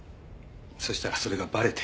そしたらそれがバレて。